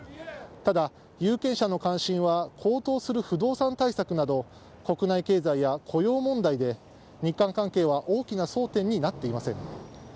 ただ、有権者の関心は、高騰する不動産対策など、国内経済や雇用問題で、日韓関係は大きな争点になっていません。